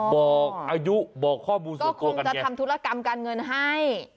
บอกอายุบอกข้อมูลก็คงจะทำธุรกรรมการเงินให้